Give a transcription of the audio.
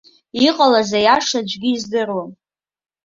Иҟалаз аиаша аӡәгьы издыруам.